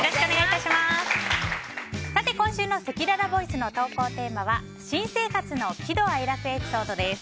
今週のせきららボイスの投稿テーマは新生活の喜怒哀楽エピソードです。